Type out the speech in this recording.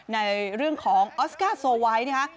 ในเรื่องของออสการ์โซไวท์นะคะ